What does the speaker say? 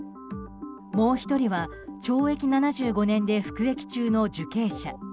もう１人は懲役７５年で服役中の受刑者。